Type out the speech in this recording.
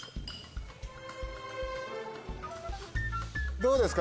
どうですか？